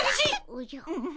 おじゃ。